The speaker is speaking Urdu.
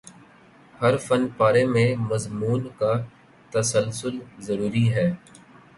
ہر فن پارے میں مضمون کا تسلسل ضروری ہے